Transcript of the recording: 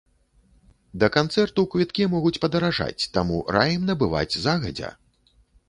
Да канцэрту квіткі могуць падаражаць, таму раім набываць загадзя!